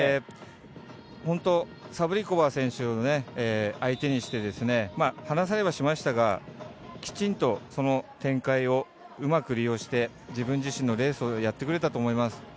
本当、サブリコバー選手相手にして離されはしましたが、きちんと展開をうまく利用して自分自身のレースをやってくれたと思います。